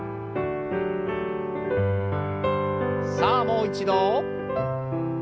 さあもう一度。